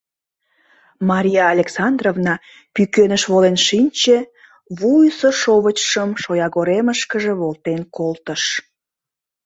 Мария Александровна пӱкеныш волен шинче, вуйысо шовычшым шоягоремышкыже волтен колтыш.